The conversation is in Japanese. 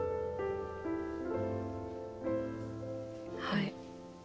はい。